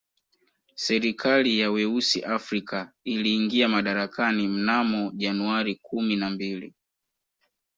Serikali ya weusi Afrika iliingia madarakani mnamo Januari kumi na mbili